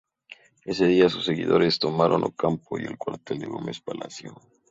Ese día sus seguidores tomaron Ocampo y el cuartel de Gómez Palacio.